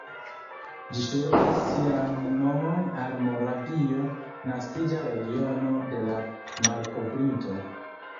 Ĝi ŝuldas sian nomon al Moravio, naskiĝa regiono de la malkovrinto.